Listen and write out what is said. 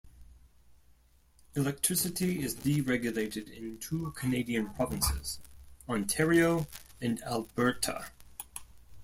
Electricity is deregulated in two Canadian provinces: Ontario and Alberta.